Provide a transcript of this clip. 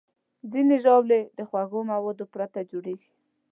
ځینې ژاولې د خوږو موادو پرته جوړېږي.